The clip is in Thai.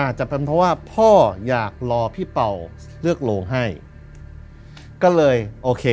อาจจะเป็นเพราะว่าพ่ออยากรอพี่เป่าเลือกโรงให้ก็เลยโอเค